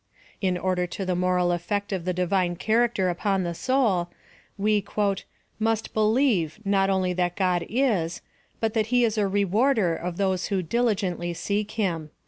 In order to the moral effect of the Divine character upon the soul, we " must believe not only that God is, but that he is a reiaarder of those who diligently seek him.